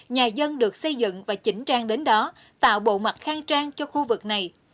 nhà dân được xây dựng và chỉnh trang đến đó tạo bộ mặt khang trang cho khu vực này